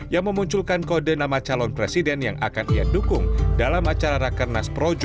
yang memunculkan kode nama calon presiden yang akan ia dukung dalam acara rakernas projo